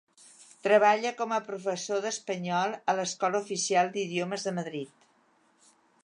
Treballa com a professor d'espanyol a l'Escola Oficial d'Idiomes de Madrid.